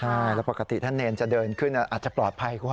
ใช่แล้วปกติถ้าเนรจะเดินขึ้นอาจจะปลอดภัยกว่า